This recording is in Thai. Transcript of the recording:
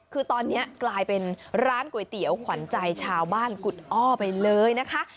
คือตอนนี้กลายเป็นร้านก๋วยเตี๋ยวขวัญใจชาวบ้านกุฎอ้อไปเลยนะคะ